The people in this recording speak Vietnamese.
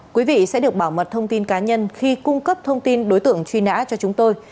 quý vị sẽ được bảo mật thông tin cá nhân khi cung cấp thông tin đối tượng truy nã cho chúng tôi